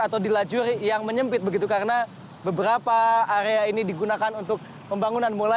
atau dilajuri yang menyempit begitu karena beberapa area ini digunakan untuk pembangunan